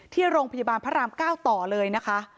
ที่โรงพยาบาลพระราม๙ต่อเลยนะคะ